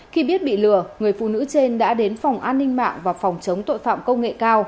khi biết bị lừa người phụ nữ trên đã đến phòng an ninh mạng và phòng chống tội phạm công nghệ cao